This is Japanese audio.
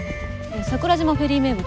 桜島フェリー名物。